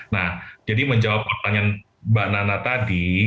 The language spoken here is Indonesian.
nah jadi menjawab pertanyaan mbak nana tadi